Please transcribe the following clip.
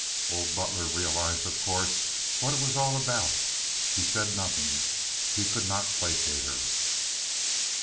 Old Butler realized, of course, what it was all about. He said nothing. He could not placate her.